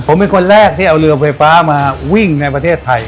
ผมเป็นคนแรกที่เอาเรือไฟฟ้ามาวิ่งในประเทศไทย